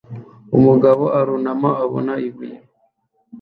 Umugabo arunama abona ibuye